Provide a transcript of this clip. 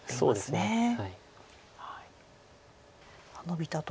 そうですね